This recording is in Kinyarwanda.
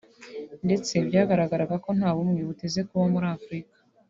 ndetse byagaragaraga ko nta bumwe buteze kuba muri Afurika